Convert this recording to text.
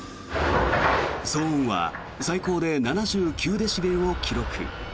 騒音は最高で７９デシベルを記録。